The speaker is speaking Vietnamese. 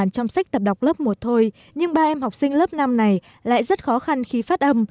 trong sách tập đọc lớp một thôi nhưng ba em học sinh lớp năm này lại rất khó khăn khi phát âm